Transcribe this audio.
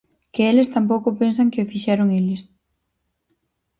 Que eles tampouco pensan que fixeron eles.